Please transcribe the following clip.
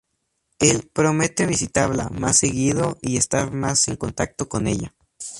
Él promete visitarla más seguido y estar más en contacto con ella.